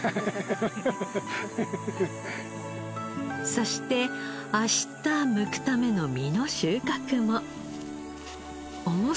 そして明日むくための実の収穫も。